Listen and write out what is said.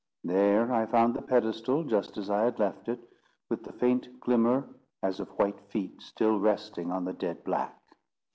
There I found the pedestal just as I had left it, with the faint glimmer as of white feet still resting on the dead black.